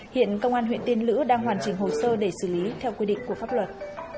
hiện công an huyện tiên lữ đang hoàn chỉnh hồ sơ để xử lý theo quy định của pháp luật